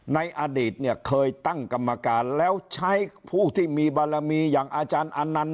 ในอดีตเนี่ยเคยตั้งกรรมการแล้วใช้ผู้ที่มีบารมีอย่างอาจารย์อนันต์